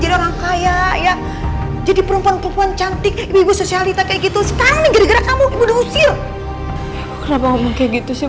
ya kok kenapa ngomong kayak gitu sih ibu sama putri